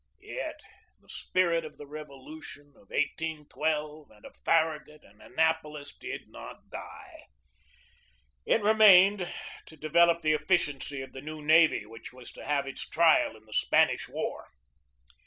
Yet the spirit of the Revolution, of 1812, and of Farragut and Annapolis did not die. It remained to develop the efficiency of the new navy, which was to have its trial in the Spanish War.